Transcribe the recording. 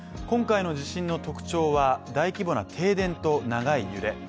今回の地震の特徴は大規模な停電と長い揺れ。